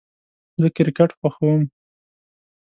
زه کرکټ خوښوم